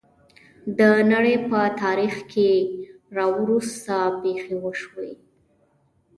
د نړۍ په تاریخ کې راوروسته پېښې وشوې.